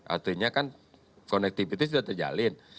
artinya kan konektivitas sudah terjalin